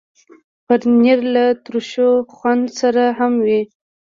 پنېر له ترشو خوند سره هم وي.